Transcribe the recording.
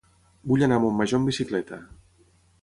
Vull anar a Montmajor amb bicicleta.